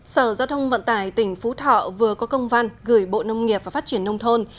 sở giao thông vận tải tỉnh phú thọ vừa có công văn gửi bộ nông nghiệp và phát triển nông thôn